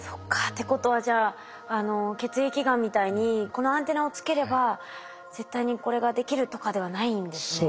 っていうことはじゃあ血液がんみたいにこのアンテナをつければ絶対にこれができるとかではないんですね。